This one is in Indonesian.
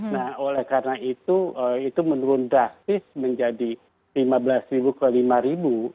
nah oleh karena itu menurun drastis menjadi lima belas ribu ke lima ribu